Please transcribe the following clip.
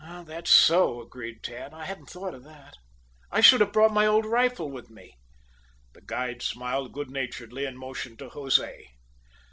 "That's so," agreed Tad. "I hadn't thought of that. I should have brought my old rifle with me." The guide smiled good naturedly and motioned to Jose.